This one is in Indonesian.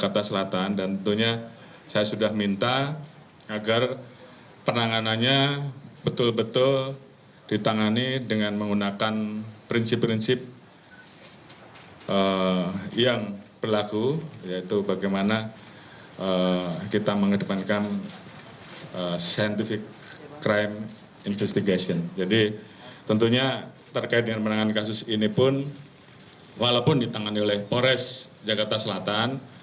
tentunya terkait dengan menangan kasus ini pun walaupun ditangani oleh pores jakarta selatan